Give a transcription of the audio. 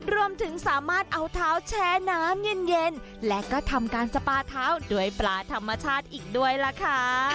รวมถึงสามารถเอาเท้าแชร์น้ำเย็นและก็ทำการสปาเท้าด้วยปลาธรรมชาติอีกด้วยล่ะค่ะ